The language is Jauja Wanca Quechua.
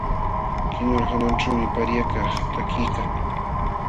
Kinwal hanaćhuumi paryakaq takiykan.